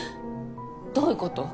どういうこと？